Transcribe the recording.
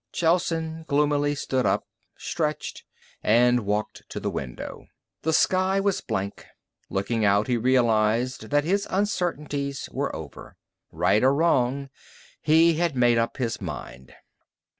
Gelsen gloomily stood up, stretched, and walked to the window. The sky was blank. Looking out, he realized that his uncertainties were over. Right or wrong, he had made up his mind.